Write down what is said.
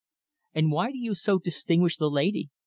"And why do you so distinguish the lady?"